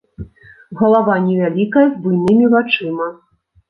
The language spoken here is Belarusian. Галава невялікая, з буйнымі вачыма.